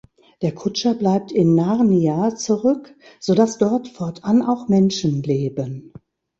Der Kutscher bleibt in Narnia zurück, so dass dort fortan auch Menschen leben.